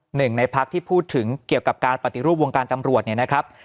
หนึ่งในพักที่พูดถึงเกี่ยวกับการปฏิรูปวงการตำรวจเนี่ยนะครับ